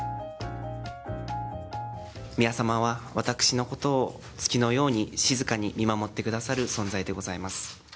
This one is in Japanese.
宮さまは、私のことを月のように静かに見守ってくださる存在でございます。